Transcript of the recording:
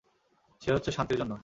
সে হচ্ছে শান্তির জন্য।